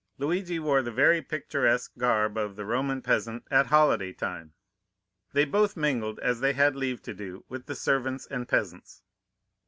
Luigi wore the very picturesque garb of the Roman peasant at holiday time. They both mingled, as they had leave to do, with the servants and peasants.